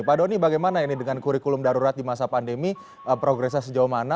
pak doni bagaimana ini dengan kurikulum darurat di masa pandemi progresnya sejauh mana